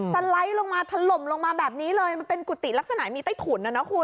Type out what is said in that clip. สไลด์ลงมาถล่มลงมาแบบนี้เลยมันเป็นกุฏิลักษณะมีใต้ถุนนะนะคุณ